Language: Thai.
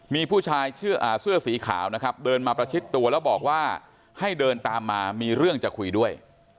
มีผู้ชายเสื้อสีขาวนะครับเดินมาประชิดตัวแล้วบอกว่าให้เดินตามมามีเรื่องจะคุยด้วย